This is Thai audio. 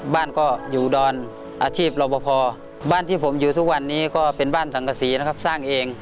บ้านก็อยู่ดอนอาชีพรอบพอบ้านที่ผมอยู่ทุกวันนี้ก็เป็นบ้านสังกษีนะครับสร้างเอง